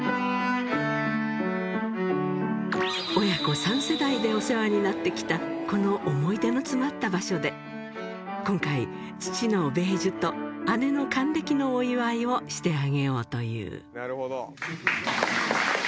親子３世代でお世話になってきたこの思い出の詰まった場所で、今回、父の米寿と姉の還暦のお祝いをしてあげようという。